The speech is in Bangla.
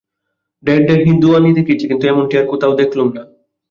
ঢের ঢের হিঁদুয়ানি দেখেছি, কিন্তু এমনটি আর কোথাও দেখলুম না।